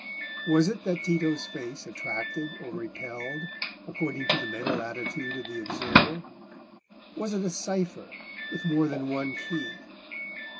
Was it that Tito's face attracted or repelled according to the mental attitude of the observer? Was it a cypher with more than one key?